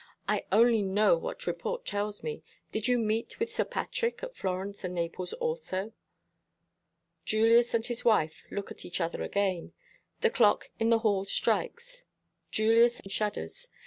"I only know what report tells me. Did you meet with Sir Patrick at Florence and Naples, also?" Julius and his wife look at each other again. The clock in the hall strikes. Julius shudders.